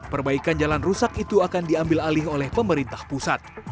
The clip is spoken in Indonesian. perbaikan jalan rusak itu akan diambil alih oleh pemerintah pusat